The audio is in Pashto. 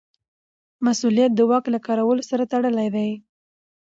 مسوولیت د واک له کارولو سره تړلی دی.